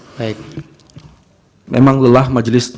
baik memang lelah majelis